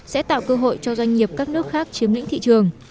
sẽ tạo cơ hội cho doanh nghiệp các nước khác chiếm lĩnh thị trường